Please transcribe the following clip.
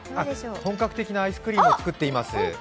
本格的なアイスクリームを作っています。